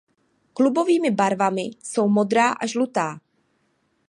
Klubovými barvami jsou modrá a žlutá.